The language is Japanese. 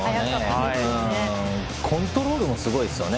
コントロールもすごいですよね。